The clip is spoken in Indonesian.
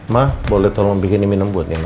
ma boleh tolong bikin ini minum buat nino